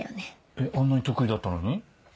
えっあんなに得意だったのに？